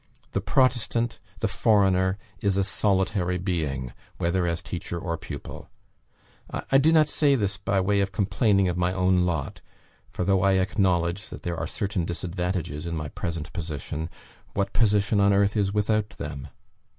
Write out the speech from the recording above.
The Protestant, the foreigner, is a solitary being, whether as teacher or pupil. I do not say this by way of complaining of my own lot; for though I acknowledge that there are certain disadvantages in my present position, what position on earth is without them?